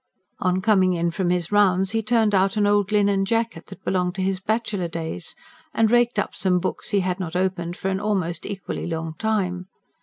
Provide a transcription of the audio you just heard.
On coming in from his rounds he turned out an old linen jacket that belonged to his bachelor days, and raked up some books he had not opened for an almost equally long time.